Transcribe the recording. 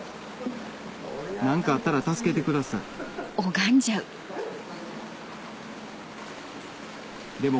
何かあったら助けてくださいでも